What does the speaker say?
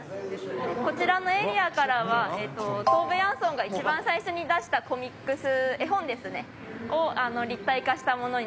こちらのエリアからはトーベ・ヤンソンが一番最初に出したコミックス絵本ですね。を立体化したものになります。